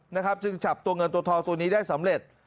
นะครับจึงจับตัวเงินตัวทองตัวนี้ได้สำเร็จ